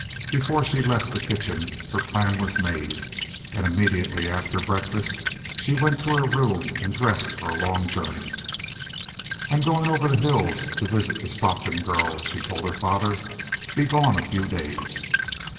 Before she left the kitchen, her plan was made, and immediately after breakfast, she went to her room and dressed for a long journey. "I'm going over the hills to visit the Stockton girls," she told her father. "Be gone a few days."